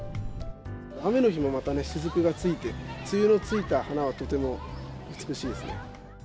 雨の日もまたしずくがついて、つゆのついた花はとても美しいですね。